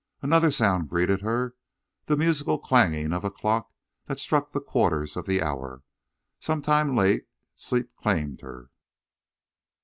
Another sound greeted her—the musical clanging of a clock that struck the quarters of the hour. Some time late sleep claimed her.